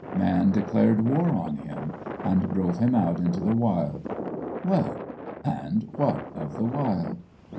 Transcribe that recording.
Man declared war on him, and drove him out into the wild. Well, and what of the wild?